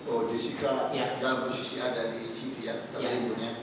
oh jessica dalam posisi ada di sisi yang terlindung ya